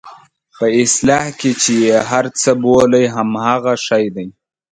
په اصطلاح کې چې یې هر څه بولئ همغه شی دی.